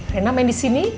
reina main disini